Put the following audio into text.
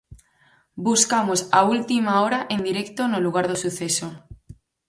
Buscamos a última hora en directo no lugar do suceso.